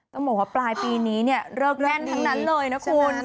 ต้องบอกว่าปลายปีนี้เนี่ยเลิกแน่นทั้งนั้นเลยนะคุณ